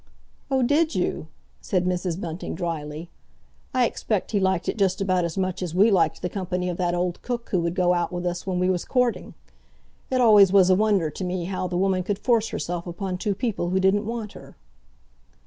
"Oh, did you?" said Mrs. Bunting dryly. "I expect he liked it just about as much as we liked the company of that old cook who would go out with us when we was courting. It always was a wonder to me how the woman could force herself upon two people who didn't want her."